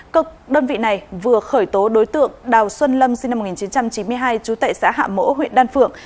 cơ đơn vị này vừa khởi tố đối tượng đào xuân lâm sinh năm một nghìn chín trăm chín mươi hai trú tại xã hạ mỗ huyện đan phượng